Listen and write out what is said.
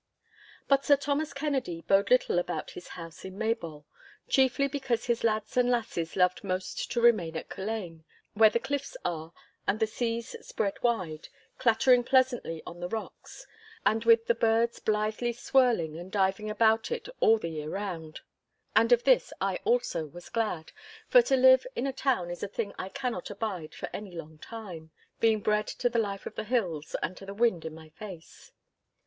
But Sir Thomas Kennedy bode little about his house in Maybole, chiefly because his lads and lasses loved most to remain at Culzean, where the cliffs are and the sea spreads wide, clattering pleasantly on the rocks, and with the birds blithely swirling and diving about it all the year round. And of this I also was glad, for to live in a town is a thing I cannot abide for any long time, being bred to the life of the hills and to the wind in my face.